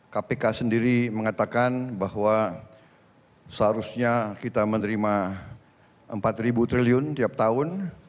kpk sendiri mengatakan bahwa seharusnya kita menerima rp empat triliun tiap tahun